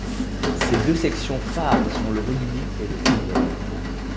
Ses deux sections phares sont le rugby et le football.